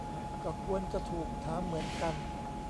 ก็ควรจะถูกถามเหมือนกัน